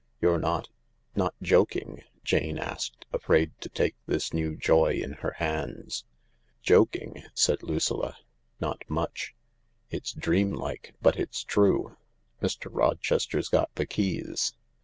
" You're not— not joking ?" Jane asked, afraid to take this new joy in her hands. " Joking ?" said Lucilla. " Not much. It's dream like, but it's true. Mr. Rochester's got the keys.